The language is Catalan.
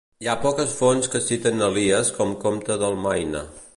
Hi ha poques fonts que citen Elies com comte del Maine.